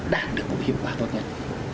đạt được một hiệu quả tốt nhất